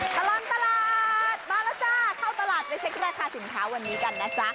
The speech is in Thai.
ตลอดตลาดมาแล้วจ้าเข้าตลาดไปเช็คราคาสินค้าวันนี้กันนะจ๊ะ